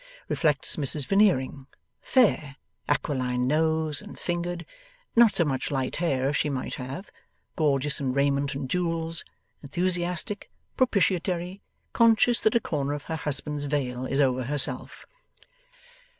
Reflects Mrs Veneering; fair, aquiline nosed and fingered, not so much light hair as she might have, gorgeous in raiment and jewels, enthusiastic, propitiatory, conscious that a corner of her husband's veil is over herself.